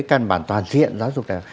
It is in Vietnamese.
căn bản toàn diện giáo dục này